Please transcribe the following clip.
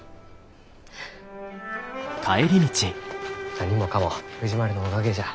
何もかも藤丸のおかげじゃ。